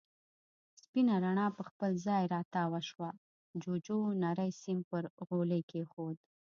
سپينه رڼا پر خپل ځای را تاوه شوه، جُوجُو نری سيم پر غولي کېښود.